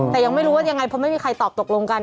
แต่ยังไม่รู้ว่ายังไงเพราะไม่มีใครตอบตกลงกัน